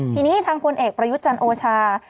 ทีนี้ทางพลเอกประยุจรรย์โอชา